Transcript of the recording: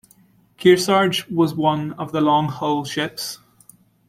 "Kearsarge" was one of the "long-hull" ships.